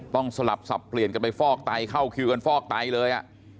สลับสับเปลี่ยนกันไปฟอกไตเข้าคิวกันฟอกไตเลย